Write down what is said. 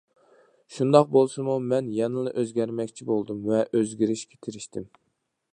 شۇنداق بولسىمۇ مەن يەنىلا ئۆزگەرمەكچى بولدۇم ۋە ئۆزگىرىشكە تىرىشتىم.